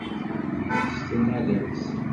Sesten Alex.